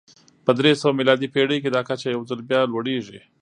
په درې سوه میلادي پېړۍ کې دا کچه یو ځل بیا لوړېږي